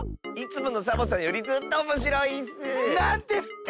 いつものサボさんよりずっとおもしろいッス！